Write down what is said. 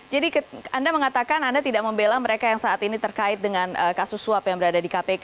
jadi anda mengatakan anda tidak membela mereka yang saat ini terkait dengan kasus swab yang berada di kpk